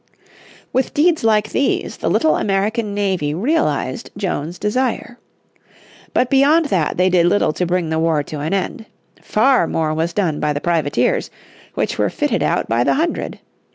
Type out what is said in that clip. With deeds like these the little American navy realised Jones' desire. But beyond that they did little to bring the war to an end. Far more was done by the privateers, which were fitted out by the hundred.